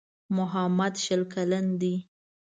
محمد شل کلن دی.